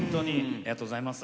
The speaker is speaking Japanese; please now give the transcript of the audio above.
ありがとうございます。